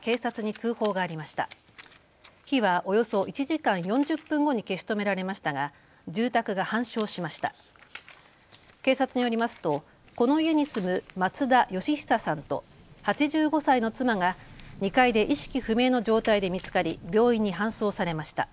警察によりますとこの家に住む松田義久さんと８５歳の妻が２階で意識不明の状態で見つかり病院に搬送されました。